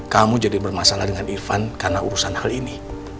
kamu jadi bermasalah dengan irfan karena urusan hal ini